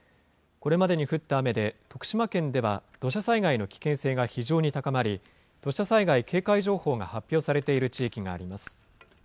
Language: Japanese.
これまでに降った雨で、徳島県では土砂災害の危険性が非常に高まり、土砂災害警戒情報が発表されている地域があります。